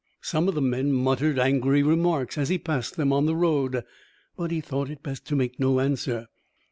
Some of the men muttered angry remarks as he passed them on the road, but he thought it best to make no answer.